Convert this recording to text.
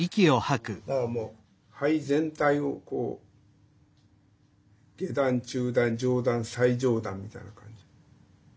だからもう肺全体を下段中段上段最上段みたいな感じで。